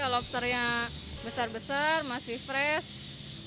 lobsternya besar besar masih fresh